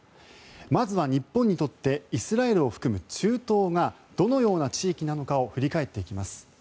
まずは、日本にとってイスラエルを含む中東がどのような地域なのかを振り返っていきます。